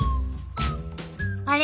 あれ？